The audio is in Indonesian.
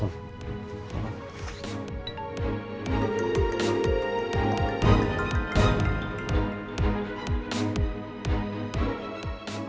terima kasih pak